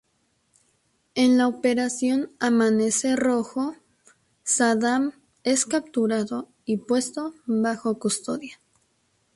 En la Operación Amanecer Rojo, Sadam es capturado y puesto bajo custodia.